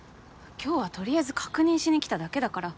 今日はとりあえず確認しにきただけだから。